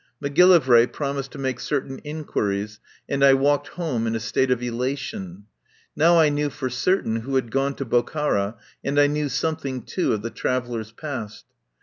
Macgillivray promised to make certain in quiries, and I walked home in a state of ela tion. Now I knew for certain who had gone to Bokhara, and I knew something, too, of the traveller's past.